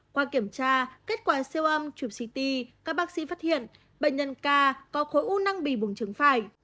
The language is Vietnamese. qua kiểm tra kết quả siêu âm chụp ct các bác sĩ phát hiện bệnh nhân k có khối u năng bì bùng trứng phải